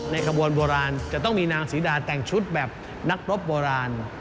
ขบวนโบราณจะต้องมีนางศรีดาแต่งชุดแบบนักรบโบราณ